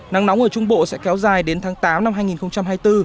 nắng nóng ở trung bộ sẽ kéo dài đến tháng tám năm hai nghìn hai mươi bốn